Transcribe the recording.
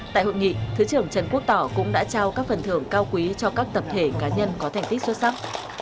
tại hội nghị thứ trưởng trần quốc tỏ cũng đã trao các phần thưởng cao quý cho các tập thể cá nhân có thành tích xuất sắc